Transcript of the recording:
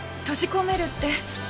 閉じ込めるって。